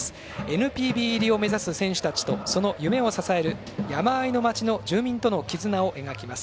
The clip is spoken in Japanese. ＮＰＢ入りを目指す選手たちとその夢を支える山あいの町の住民との絆を描きます。